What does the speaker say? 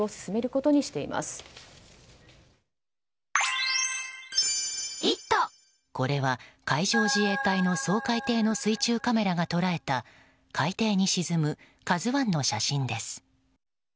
これは海上自衛隊の掃海艇の水中カメラが捉えた海底に沈む「ＫＡＺＵ１」の写真です。